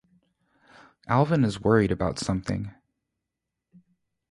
Alvyn is worried about something.